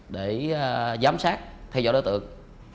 để giám sát theo dõi đối tượng